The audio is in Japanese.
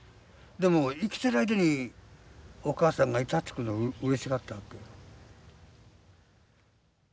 でも生きてる間にお母さんがいたってことがうれしかったわけよ。